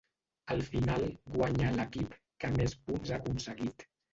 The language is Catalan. Al final guanya l’equip que més punts ha aconseguit.